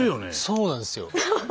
そうなんですよ。